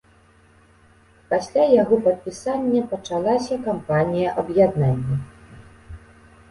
Пасля яго падпісання пачалася кампанія аб'яднання.